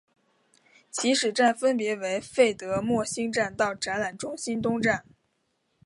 起始站分别为费德莫兴站到展览中心东站。